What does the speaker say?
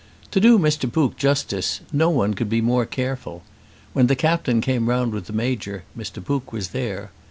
To do Mr. Pook justice, no one could be more careful. When the Captain came round with the Major, Mr. Pook was there.